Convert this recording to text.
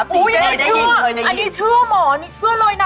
อันนี้เชื่อหมอนี่เชื่อเลยนะ